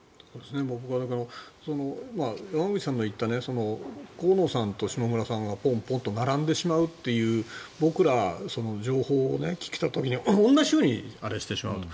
僕は、山口さんの言った河野さんと下村さんがポンポンと並んでしまうという僕ら、情報を聞いた時に同じようにあれしてしまうと。